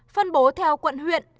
phân bố theo quận huyện